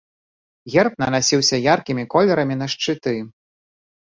Герб нанасіўся яркімі колерамі на шчыты.